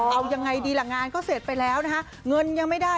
เอายังไงดีล่ะงานก็เสร็จไปแล้วนะคะเงินยังไม่ได้